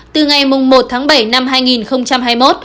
từ ngày một tháng bảy năm hai nghìn hai mươi một